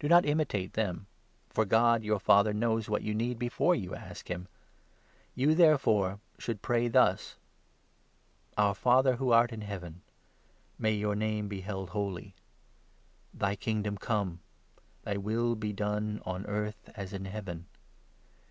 Do not imitate them ; for God, your 8 Father, knows what you need before you ask him. You, 9 therefore, should pray thus — The 'Lord's 'Our Father, who art in Heaven, Prayer.' May thy name be held holy, thy Kingdom come, 10 thy will be done — on earth, as in Heaven.